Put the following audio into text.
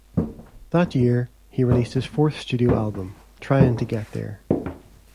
That year, he released his fourth studio album, "Tryin' to Get There".